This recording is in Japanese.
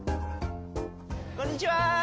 こんにちは。